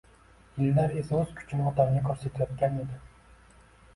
Yillar esa oʻz kuchini otamga koʻrsatayotgan edi